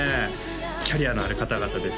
キャリアのある方々です